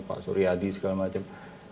pak suryadi segala macam